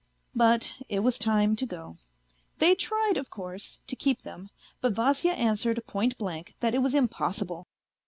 But it was time to go. They tried, of course, to keep them, but Vasya answered point blank that it was impossible.